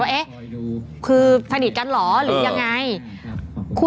แฮปปี้เบิร์สเจทู